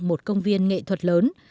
một công viên nghệ thuật lớn